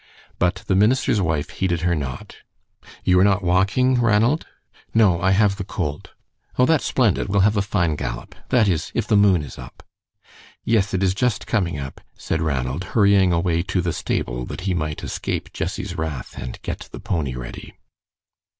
But the minister's wife heeded her not. "You are not walking, Ranald?" "No, I have the colt." "Oh, that's splendid. We'll have a fine gallop that is, if the moon is up." "Yes, it is just coming up," said Ranald, hurrying away to the stable that he might escape Jessie's wrath and get the pony ready.